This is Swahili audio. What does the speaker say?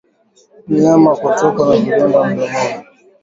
Mnyama kutokwa na vidonda mdomoni